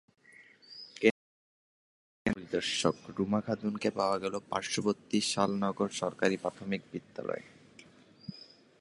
কেন্দ্রটির পরিবারকল্যাণ পরিদর্শক রুমা খাতুনকে পাওয়া গেল পার্শ্ববর্তী শালনগর সরকারি প্রাথমিক বিদ্যালয়ে।